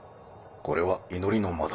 これは祈りの間だ。